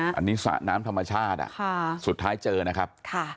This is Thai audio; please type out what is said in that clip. อันนี้สระน้ำธรรมชาติสุดท้ายเจอนะครับ